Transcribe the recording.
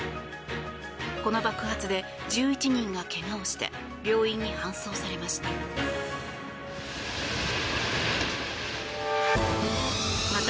この爆発で１１人が怪我をして病院に搬送されました。